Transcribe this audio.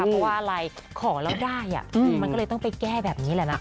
เพราะว่าอะไรขอแล้วได้มันก็เลยต้องไปแก้แบบนี้แหละนะ